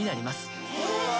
へえ。